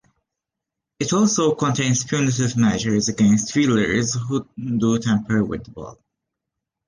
It also contains punitive measures against fielders who do tamper with the ball.